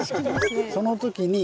その時に。